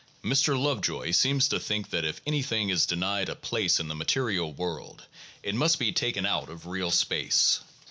l Mr. Lovejoy seems to think that if any thing is denied a place in the material world, it must be taken out of real space.